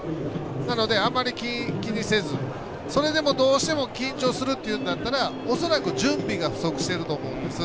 なので、あまり気にせずそれでもどうしても緊張するんだったら恐らく準備が不足してると思うんです。